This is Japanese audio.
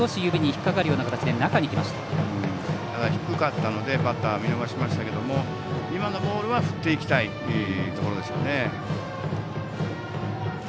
低かったのでバッターは見逃しましたけど今のボールは振っていきたいところでしょうね。